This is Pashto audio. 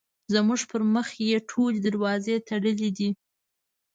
زموږ پر مخ یې ټولې دروازې تړلې دي.